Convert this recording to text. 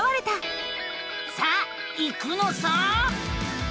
さあ行くのさ！